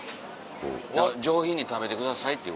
上品に食べてくださいっていう。